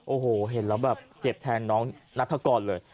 โอ้โหเห็นแล้วแบบเจ็บแทนน้องนัฐกรเลย